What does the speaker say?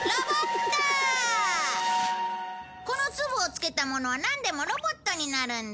この粒をつけたものはなんでもロボットになるんだ。